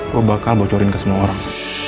gue bakal bocorin ke semua orang